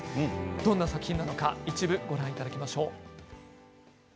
どんな作品なのか一部ご覧いただきましょう。